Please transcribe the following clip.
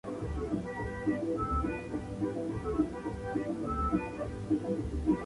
Era un miembro de la familia más joven o un pariente.